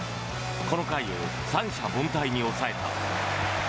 この回を三者凡退に抑えた。